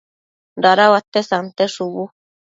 dada uate sante shubu